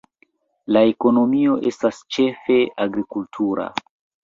La ekonomio estas ĉefe agrikultura.